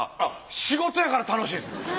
仕事やから楽しいんです。